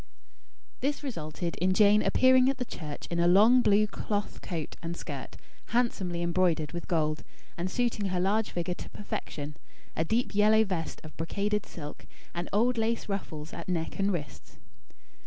This resulted in Jane appearing at the church in a long blue cloth coat and skirt, handsomely embroidered with gold, and suiting her large figure to perfection; a deep yellow vest of brocaded silk; and old lace ruffles at neck and wrists.